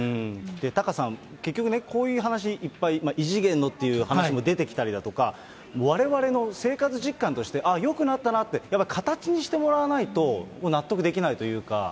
タカさん、結局ね、こういう話、いっぱい、異次元のっていう話も出てきたりだとか、われわれの生活実感として、あっ、よくなったなって、やっぱり形にしてもらわないと、納得できないというか。